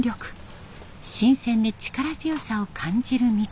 新鮮で力強さを感じる緑。